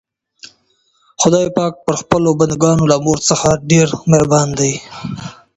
خدای پاک پر خپلو بندګانو له مور څخه ډېر مهربان دی.